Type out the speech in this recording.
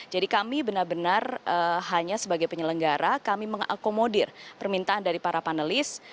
jadi kami benar benar hanya sebagai penyelenggara kami mengakomodir permintaan dari para panelis